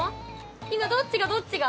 今どっちがどっちが。